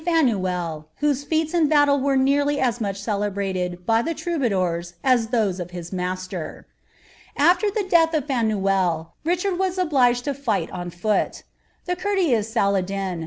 i i feats in battle are nearty as much celebrated, by the iiii. those of his master.' AFler the death of Fanuelle, Richard wa^ obliges! to figlit on foot. Thf »urteous Saladin.